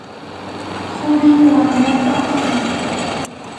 qurim wamrapa hutin.